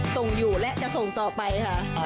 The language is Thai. ส่งอยู่และจะส่งต่อไปค่ะ